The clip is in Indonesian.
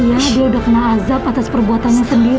iya dia udah kena azab atas perbuatannya sendiri